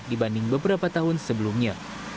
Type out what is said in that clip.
dibanding beberapa tahun sebelumnya